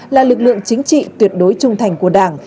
là lực lượng chính trị tuyệt đối trung thành của đảng